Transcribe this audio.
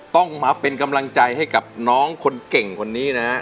ต้องมาเป็นกำลังใจให้กับน้องคนเก่งคนนี้นะฮะ